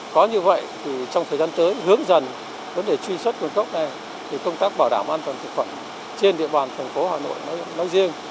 có như vậy thì trong thời gian tới hướng dần vấn đề truy xuất nguồn gốc này thì công tác bảo đảm an toàn thực phẩm trên địa bàn thành phố hà nội nói riêng